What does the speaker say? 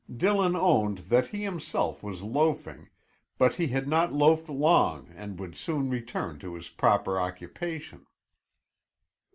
Dillon owned that he himself was loafing, but he had not loafed long and would soon return to his proper occupation.